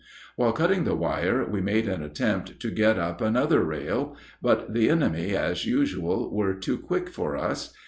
While cutting the wire we made an attempt to get up another rail; but the enemy, as usual, were too quick for us.